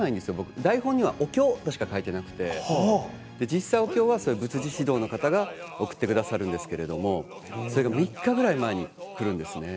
台本にはお経としか書いてなくて実際にお経は仏事指導の方が送ってくださるんですけど３日ぐらい前に来るんです。